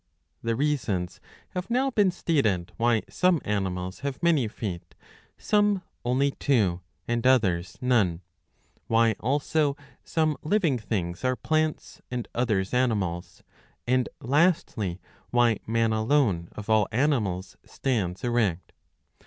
'^ The reasons have now been stated why some animals have many feet, some only two, and others none ; why, also, some living things are plants and others animals ; and, lastly, why man alone of all animals stands erect.